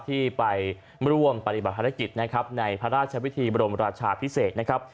ที่ไปร่วมปฏิบัติภารกิจนะครับในพระราชวิธีบรมราชาพิเศษนะครับ